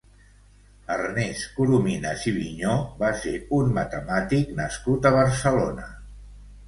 Ernest Corominas i Vigneaux va ser un matemàtic nascut a Barcelona.